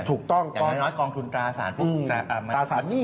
ถูกต้องอย่างน้อยกองทุนตราสารปุ๊บมาตราสารหนี้